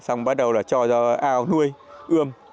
xong bắt đầu là cho ra ao nuôi ươm